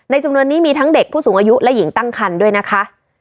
จำนวนนี้มีทั้งเด็กผู้สูงอายุและหญิงตั้งคันด้วยนะคะ